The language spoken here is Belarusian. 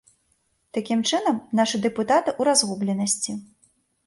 Такім чынам, нашы дэпутаты ў разгубленасці.